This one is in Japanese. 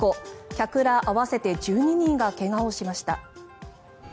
客ら合わせて１２人が怪我をしました。